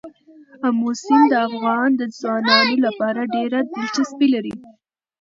آمو سیند د افغان ځوانانو لپاره ډېره دلچسپي لري.